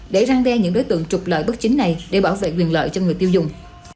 để răng đe những đối tượng trục lợi bất chính này để bảo vệ quyền lợi cho người tiêu dùng